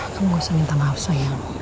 kamu gak usah minta maaf sayang